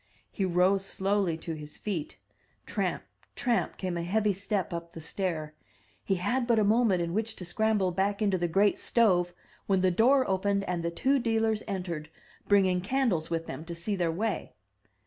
He rose slowly to his feet. Tramp, tramp, came a heavy step up the stair. He had but a moment in which to scramble back into the great stove, when the door opened and the two dealers entered, bringing candles with them to see their way.